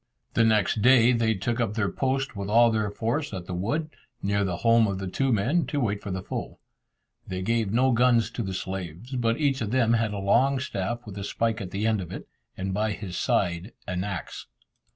The next day they took up their post with all their force at the wood, near the home of the two men, to wait for the foe. They gave no guns to the slaves, but each of them had a long staff with a spike at the end of it, and by his side an axe.